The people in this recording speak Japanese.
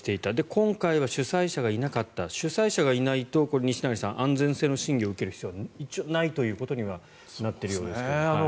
今回は主催者がいなかった主催者がいないと西成さん、安全性の審議を受ける必要がないということに一応、なっているみたいですが。